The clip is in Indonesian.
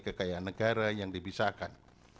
kekayaan negara yang dibisakan